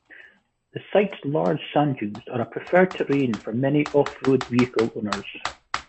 The site's large sand dunes are a preferred terrain for many off-road vehicle owners.